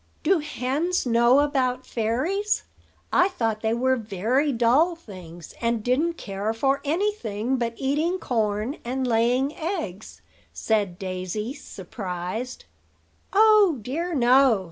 "Do hens know about fairies? I thought they were very dull things, and didn't care for any thing but eating corn and laying eggs," said Daisy, surprised. "Oh, dear, no!